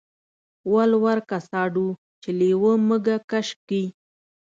ول ورکه ساډو چې لېوه مږه کش کي.